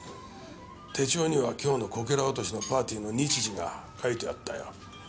手帳には今日のこけら落としのパーティーの日時が書いてあったよ。